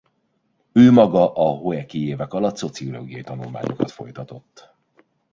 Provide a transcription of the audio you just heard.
Ő maga a hoeki évek alatt szociológia-tanulmányokat folytatott.